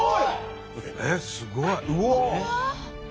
えっすごい。